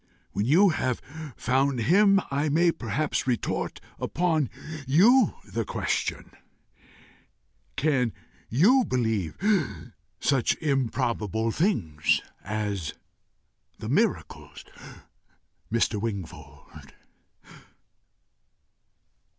When you have found him, I may perhaps retort upon you the question Can you believe such improbable things as the miracles, Mr. Wingfold?"